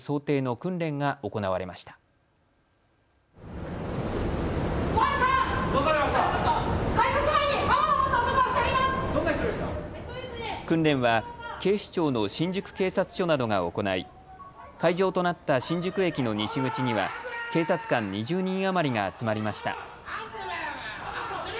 訓練は警視庁の新宿警察署などが行い、会場となった新宿駅の西口には警察官２０人余りが集まりました。